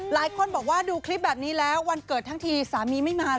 หลายคนบอกว่าดูคลิปแบบนี้แล้ววันเกิดทั้งทีสามีไม่มาเห